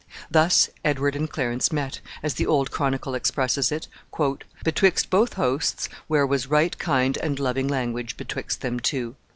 Thus Edward and Clarence met, as the old chronicle expresses it, "betwixt both hosts, where was right kind and loving language betwixt them two.